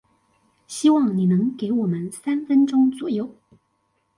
希望你能給我們三分鐘左右